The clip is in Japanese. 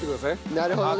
なるほどね。